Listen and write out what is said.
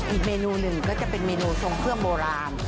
อีกเมนูหนึ่งก็จะเป็นเมนูทรงเครื่องโบราณ